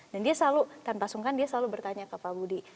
dan dia selalu tanpa sungkan dia selalu bertanya ke pak budi